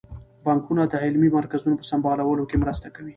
بانکونه د علمي مرکزونو په سمبالولو کې مرسته کوي.